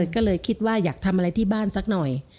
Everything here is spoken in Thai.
ก็เลยคิดว่าอยากทำอะไรที่บ้านสักหน่อย